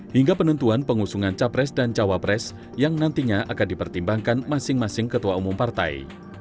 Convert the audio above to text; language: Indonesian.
hingga penentuan pengusungan capres dan cawapres yang nantinya akan dipertimbangkan masing masing ketua umum partai